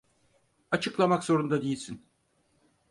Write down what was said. Açıklamak zorunda değilsin.